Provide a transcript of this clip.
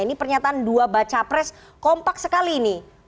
ini pernyataan dua mbak capres kompak sekali ini